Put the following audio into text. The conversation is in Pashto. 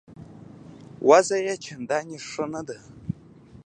وضع یې چنداني ښه نه ده.